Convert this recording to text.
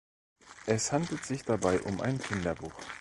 Es handelt sich dabei um ein Kinderbuch.